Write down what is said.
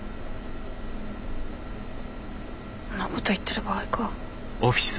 んなこと言ってる場合か。